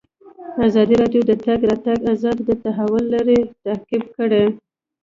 ازادي راډیو د د تګ راتګ ازادي د تحول لړۍ تعقیب کړې.